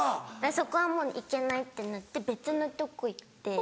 そこはもう行けないってなって別のとこ行って。